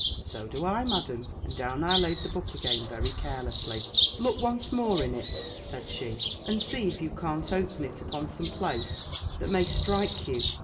"'So do I, Madam;' and down I laid the book again very carelessly. "'Look once more in it,' said she, 'and see if you can't open it upon some place that may strike you.'